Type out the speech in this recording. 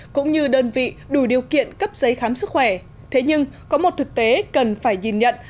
cũng như đơn vị đủ điều kiện cấp giấy khám sức khỏe thế nhưng có một thực tế cần phải nhìn nhận